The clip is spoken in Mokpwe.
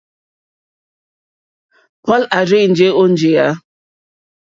Paul à rzênjé ó njìyá.